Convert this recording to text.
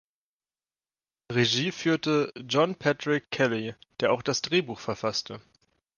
Regie führte John Patrick Kelley, der auch das Drehbuch verfasste.